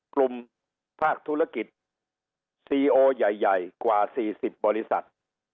กลุ่มภาคธุรกิจสีโอใหญ่ใหญ่กว่าสี่สิบบริษัท